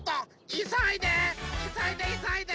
いそいでいそいで！